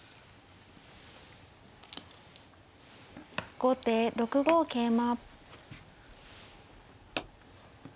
後手６五桂馬。